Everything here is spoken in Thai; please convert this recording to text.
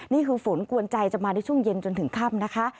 นี่คือฝนกวนใจจะมาในช่วงเย็นจนถึงค่ำนะคะ